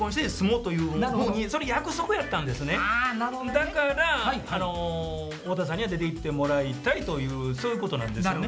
だから太田さんには出ていってもらいたいというそういうことなんですよね。